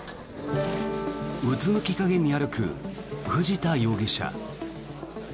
うつむき加減に歩く藤田容疑者。